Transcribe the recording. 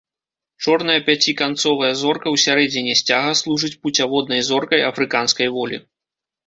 Чорная пяціканцовая зорка ў сярэдзіне сцяга служыць пуцяводнай зоркай афрыканскай волі.